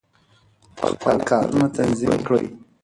خپل کارونه تنظیم کړئ.